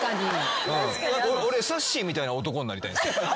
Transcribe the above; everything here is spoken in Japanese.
俺さっしーみたいな男になりたい。